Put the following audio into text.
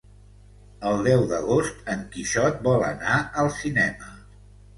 El deu d'agost en Quixot vol anar al cinema.